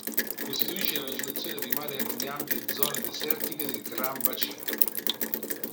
Costituisce la vegetazione primaria di ampie zone desertiche del Gran Bacino.